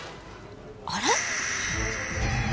あれ？